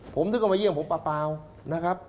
ผมนึกว่ามาเยี่ยมผมเปล่านะครับ